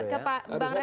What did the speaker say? ke pak ke bang refli dulu